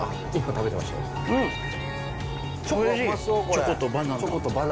チョコとバナナ。